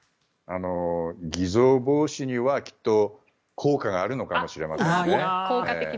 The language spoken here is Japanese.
偽造防止にはきっと効果があるのかもしれません。